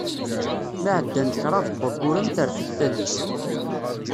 Mi ɛeddan kraḍ waguren terfed tadist.